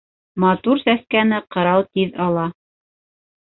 Матур сәскәне ҡырау тиҙ ала.